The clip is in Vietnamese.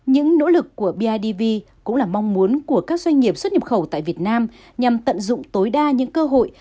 những nỗ lực của bidv cũng là mong muốn của các doanh nghiệp xuất nhập khẩu tại việt nam nhằm tận dụng tối đa những cơ hội